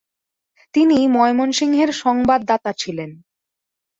তিনি ময়মনসিংহের সংবাদদাতা ছিলেন।